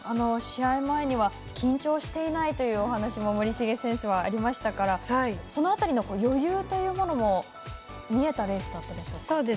試合前には緊張していないというお話も森重選手はありましたからその辺りの余裕というものも見えたレースだったでしょうか。